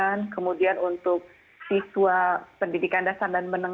lalu untuk ibu bapak guru di paud sampai dengan pendidikan dasar dan menengah empat puluh tujuh gb per bulan